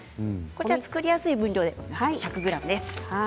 作りやすい分量で１００ｇです。